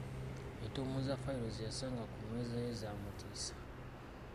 Entuumu za fayiro ze yasanga ku mmeeza ye zaamutiisa.!